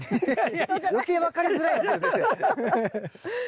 余計分かりづらいですから先生。